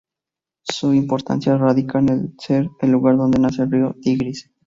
Su importancia radica en ser el lugar donde nace el río Tigris.